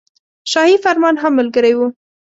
شاهي فرمان هم ملګری وو.